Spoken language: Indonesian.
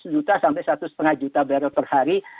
satu ratus juta sampai satu lima juta barrel per hari